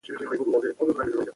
خپل کارونه تنظیم کړئ.